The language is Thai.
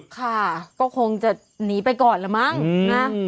ค่ะก็คงจะหนีไปก่อนละมั้งนะ